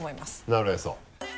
なるへそ。